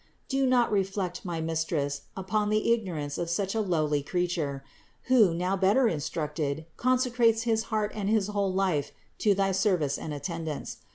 Do not reflect, my Mistress, upon the ignorance of such a lowly creature, who, now better instructed, consecrates his heart and his whole life to thy service and attendance.